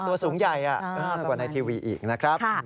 ตัวสูงใหญ่มากกว่าในทีวีอีกนะครับ